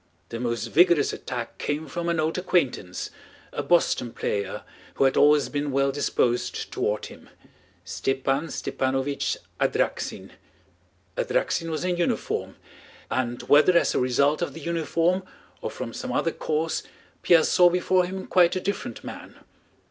The most vigorous attack came from an old acquaintance, a boston player who had always been well disposed toward him, Stepán Stepánovich Adráksin. Adráksin was in uniform, and whether as a result of the uniform or from some other cause Pierre saw before him quite a different man.